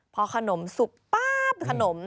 เพราะขนมสุก